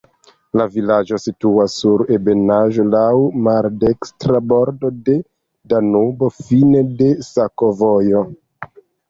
La vilaĝo situas sur ebenaĵo, laŭ maldekstra bordo de Danubo, fine de sakovojo.